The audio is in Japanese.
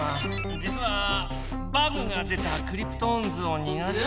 じつはバグが出たクリプトオンズをにがして。